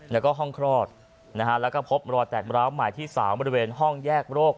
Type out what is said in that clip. แล้วก็ห้องคลอดนะฮะแล้วก็พบรอยแตกร้าวหมายที่๓บริเวณห้องแยกโรค